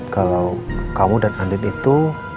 kalau kamu dan andin itu